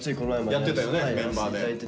やってたよねメンバーで。